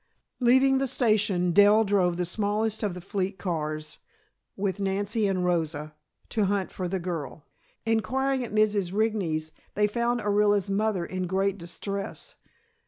Leaving the station Dell drove the smallest of the fleet of cars, with Nancy and Rosa, to hunt for the girl. Inquiring at Mrs. Rigney's they found Orilla's mother in great distress.